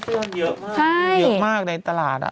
ใช่แต่เพียงเสื้อเยอะมากมีเยอะมากในตลาด